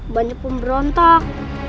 banyak pun berontak